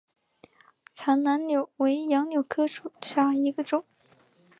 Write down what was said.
藏南柳为杨柳科柳属下的一个种。